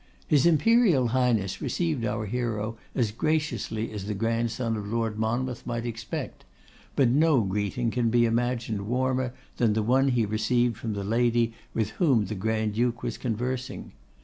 His Imperial Highness received our hero as graciously as the grandson of Lord Monmouth might expect; but no greeting can be imagined warmer than the one he received from the lady with whom the Grand duke was conversing.